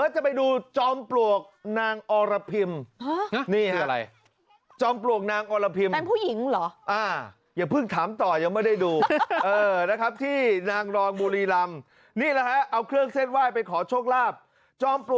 จอมปลวกนางอลพิมนี่อะไรจอมปลวกนางอลพิมฝ่ายผู้หญิงเหรออ้าอย่าเพิ่งถามต่อยังไม่ได้ดูนะครับที่นางรองบุรีรามนี้หรอเอาเครื่องเส้นไหว้ไปขอโชคลาภ